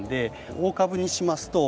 大株にしますと。